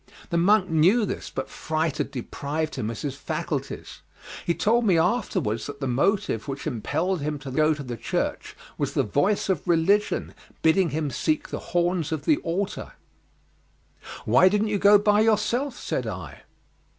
The monk knew this, but fright had deprived him of his faculties. He told me afterwards that the motive which impelled him to go to the church was the voice of religion bidding him seek the horns of the altar. "Why didn't you go by yourself?" said I.